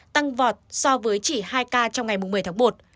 tăng vọt so với chỉ hai ca trong ngày một mươi tháng một